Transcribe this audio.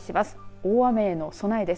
大雨への備えです。